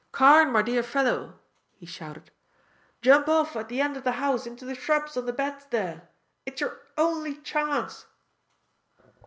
"Carne, my dear fellow," he shouted, "jump off at the end of the house into the shrubs on the beds there, it's your only chance."